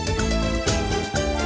teganya teganya teganya